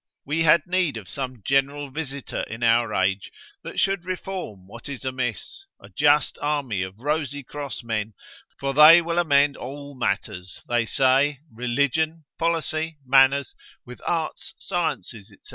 We had need of some general visitor in our age, that should reform what is amiss; a just army of Rosy cross men, for they will amend all matters (they say) religion, policy, manners, with arts, sciences, &c.